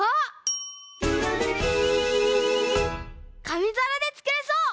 かみざらでつくれそう！